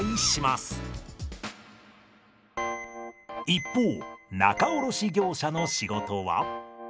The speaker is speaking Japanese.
一方仲卸業者の仕事は。